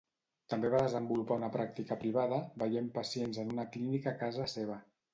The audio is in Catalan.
També va desenvolupar una pràctica privada, veient pacients en una clínica a casa seva.